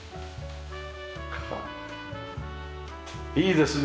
いいですね